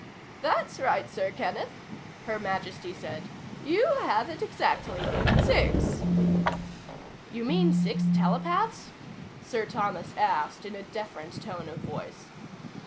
"That's right, Sir Kenneth," Her Majesty said. "You have it exactly. Six." "You mean six telepaths?" Sir Thomas asked in a deferent tone of voice.